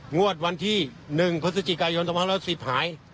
งวดวันที่๑พฤศจิกายนตมรสสิบหาย